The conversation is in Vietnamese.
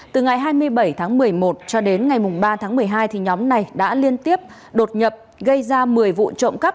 từ ngày hai mươi bảy một mươi một cho đến ngày ba một mươi hai nhóm này đã liên tiếp đột nhập gây ra một mươi vụ trộm cắp